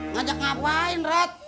ngajak ngapain rat